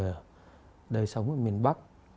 ở đời sống ở miền bắc